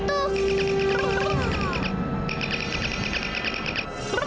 ada yang suka ikan nya